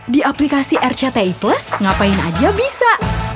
di aplikasi rcti plus ngapain aja bisa